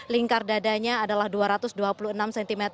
lingkar dadanya adalah dua ratus dua puluh enam cm